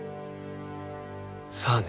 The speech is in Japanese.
さあね。